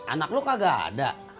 anak lu kagak ada